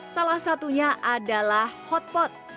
salah satunya adalah hotpot